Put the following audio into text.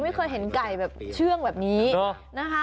ไม่เคยเห็นไก่แบบเชื่องแบบนี้นะคะ